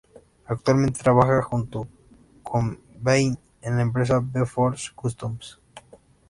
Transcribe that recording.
Actualmente trabaja junto con Vinnie en la empresa V-Force Customs.